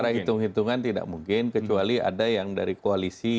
secara hitung hitungan tidak mungkin kecuali ada yang dari koalisi